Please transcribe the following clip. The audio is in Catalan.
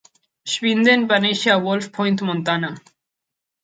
Schwinden va néixer a Wolf Point, Montana.